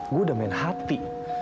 gue udah main hati